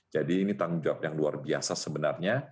jadi ini tanggung jawab yang luar biasa sebenarnya